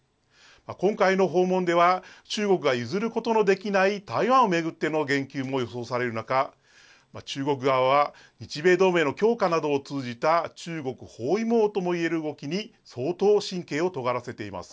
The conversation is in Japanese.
今回の訪問では、中国が譲ることのできない台湾を巡っての言及も予想される中、中国側は日米同盟の強化などを通じた中国包囲網ともいえる動きに、相当神経をとがらせています。